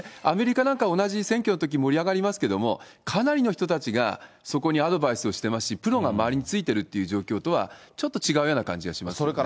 アメリカなんか、同じ選挙のとき盛り上がりますけれども、かなりの人たちがそこにアドバイスをしてますし、プロが周りについてるっていう状況とは、ちょっと違うような感じがしますね。